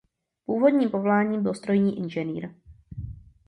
Původním povoláním byl strojní inženýr.